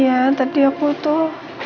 iya tadi aku tuh